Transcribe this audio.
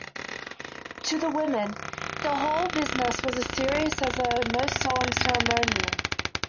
To the woman, the whole business was as serious as the most solemn ceremonial.